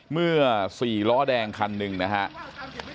เมื่อ๔ล้อแดงคันหนึ่งนะครับ